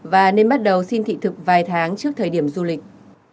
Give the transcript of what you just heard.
và nên bắt đầu xin thị thực vài tháng trước thời điểm du lịch